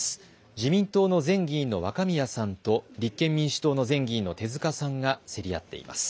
自民党の前議員の若宮さんと立憲民主党の前議員の手塚さんが競り合っています。